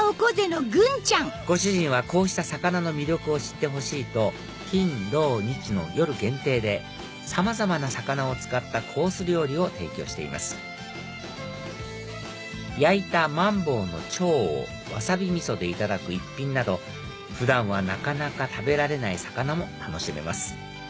ご主人はこうした魚の魅力を知ってほしいと金土日の夜限定でさまざまな魚を使ったコース料理を提供しています焼いたマンボウの腸をわさびみそでいただく一品など普段はなかなか食べられない魚も楽しめます